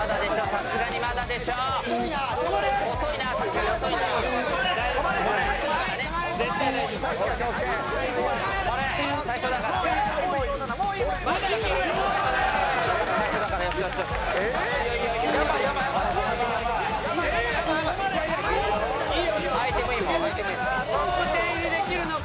さあトップ１０入りできるのか？